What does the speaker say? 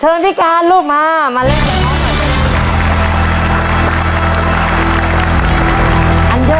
เชิญพี่การลูกมามาเล่นกัน